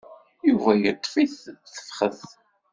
Yuba teṭṭef-it tefxet.